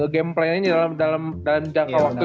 gameplaynya dalam jangka waktu